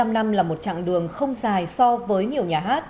một mươi năm năm là một chặng đường không dài so với nhiều nhà hát